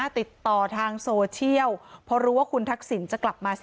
ติดต่อทางโซเชียลเพราะรู้ว่าคุณทักษิณจะกลับมาสิ